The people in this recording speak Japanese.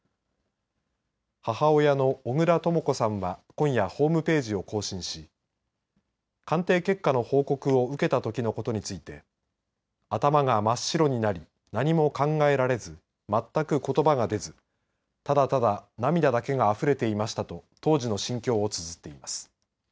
母親の小倉とも子さんは今夜、ホームページを更新し鑑定結果の報告を受けたときのことについて頭が真っ白になり何も考えられず全く、ことばが出ずただただ涙だけがあふれていましたと当時の心境をつづっています。